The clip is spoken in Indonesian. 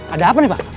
ada apa nih pak